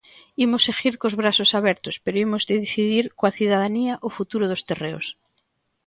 Imos seguir cos brazos abertos pero imos decidir coa cidadanía o futuro dos terreos.